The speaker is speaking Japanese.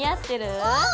うん！